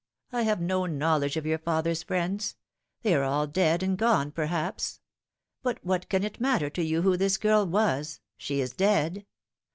I have no knowledge of your father's friends. They are all dead and gone, perhaps. But what can it matter to you who this girl was ? She is dead.